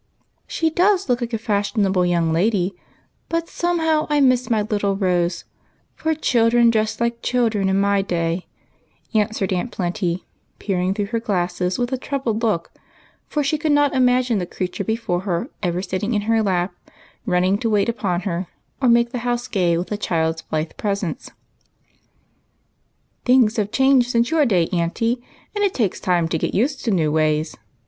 " She does look like a fashionable young lady, but somehow I miss my little Rose, for children dressed like children in my day," answered Aunt Plenty, peer ing through her glasses with a troubled look, for she could not imagine the creature before her ever sitting in her lap, running to wait upon her, or making the house gay with a child's blithe presence. " Things have changed since your day, Aunt, and it takes time to get used to new ways.